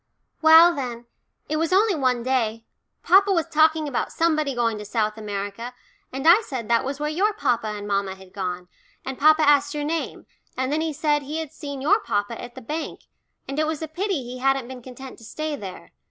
"Well, then, it was only one day papa was talking about somebody going to South America, and I said that was where your papa and mamma had gone, and papa asked your name, and then he said he had seen your papa at the bank, and it was a pity he hadn't been content to stay there.